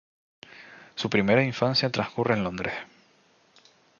Su primera infancia transcurre en Londres.